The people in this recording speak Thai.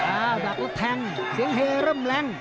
ดักแล้วแทงเสียงเฮเริ่มแรง